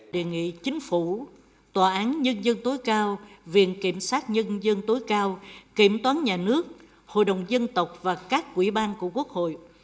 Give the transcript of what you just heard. đề nghị chính phủ tòa án nhân dân tối cao viện kiểm sát nhân dân tối cao kiểm toán nhà nước hội đồng dân tộc và các quỹ ban của quốc hội